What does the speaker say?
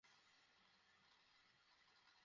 তুমি বলেছিলে ব্ল্যাক ডের খুনিরা সব আত্মসমর্পণ করেছে?